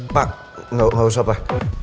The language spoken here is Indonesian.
pak gak usah pak